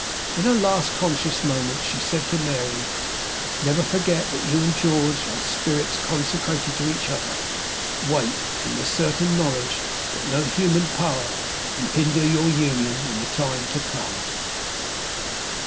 In her last conscious moments, she said to Mary, "Never forget that you and George are spirits consecrated to each other. Wait in the certain knowledge that no human power can hinder your union in the time to come."